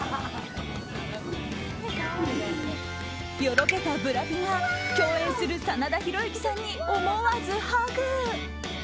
よろけたブラピが、共演する真田広之さんに思わずハグ。